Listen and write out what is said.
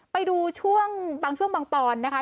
ไปดูช่วงบางช่วงบางตอนนะคะ